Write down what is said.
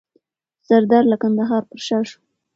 سردار له کندهار پر شا سو.